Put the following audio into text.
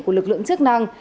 của lực lượng chức năng